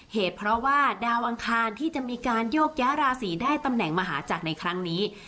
เหตุเพราะว่าดาวอังคารที่จะมีการโยกย้าราศีได้ตำแหน่งมหาจักรในครั้งนี้